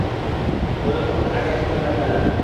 কোন কুকুর আগে আসে তা দেখা যাক!